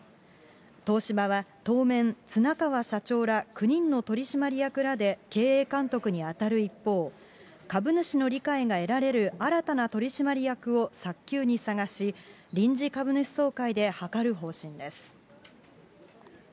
東芝は当面、綱川社長ら９人の取締役らで経営監督に当たる一方、株主の理解が得られる新たな取締役を早急に探し、臨時株主総会で諮る方針です。